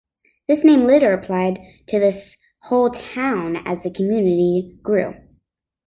This name later applied to this whole town as the community grew.